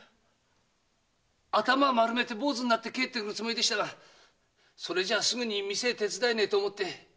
頭を丸めて坊主になって帰ってくるつもりでしたがそれじゃすぐに店を手伝えないと思って。